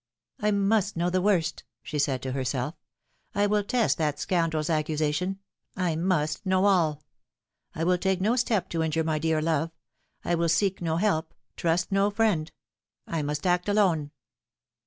" I must know the worst," she said to herself ;" I will test that scoundrel's accusation. I must know all. I will take no step to injure my dear love. I will seek no help, trust no friend. I must act alone."